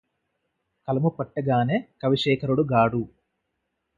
కలము పట్టగానె కవిశేఖరుడు గాడు